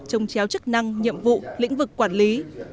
trông chéo chức năng nhiệm vụ lĩnh vực quản lý